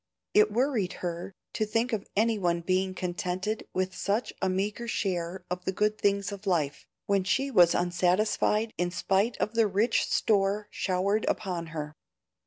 It worried her to think of any one being contented with such a meagre share of the good things of life, when she was unsatisfied in spite of the rich store showered upon her.